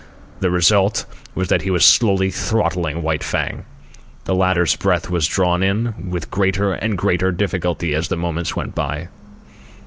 The result was that he was slowly throttling White Fang. The latter's breath was drawn with greater and greater difficulty as the moments went by.